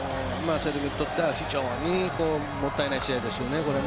セルビアにとっては非常にもったいない試合ですよねこれ。